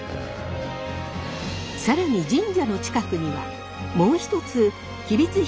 更に神社の近くにはもう一つ吉備津彦